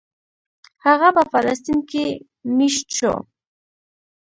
هغه په فلسطین کې مېشت شو.